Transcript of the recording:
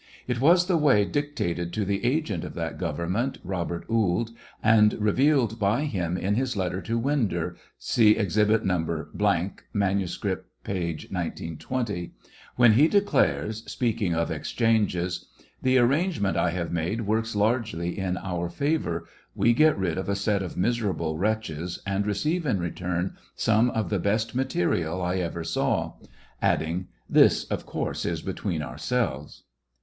It was the way dictated to the agent of that government, Robert Ould, and revealed by him in his letter to Winder, (see exhibit No. —; manuscript, p. 1920,) wlien he declares, speaking of exchanges :" The arrangement I have made works largely in our favor. We .get rid of a set of miserable wretches, and receive in return some of the best material I ever saw;" adding, " This, of course, is between ourselves."